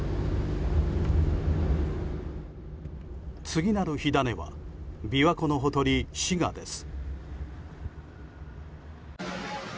次なる火種は琵琶湖のほとり、滋賀です。